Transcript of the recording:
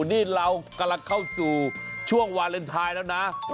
นี่เรากำลังเข้าสู่ช่วงวาเลนไทยแล้วนะ